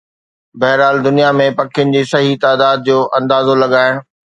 بهرحال، دنيا ۾ پکين جي صحيح تعداد جو اندازو لڳائڻ